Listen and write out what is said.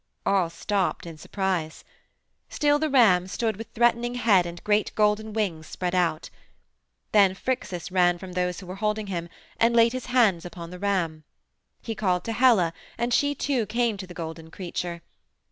All stopped in surprise. Still the ram stood with threatening head and great golden wings spread out. Then Phrixus ran from those who were holding him and laid his hands upon the ram. He called to Helle and she, too, came to the golden creature.